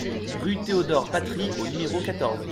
Rue Théodore Patry au numéro quatorze